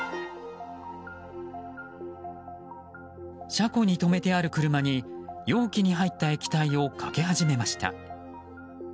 車庫に止めてある車に容器に入った液体をかけ始めました。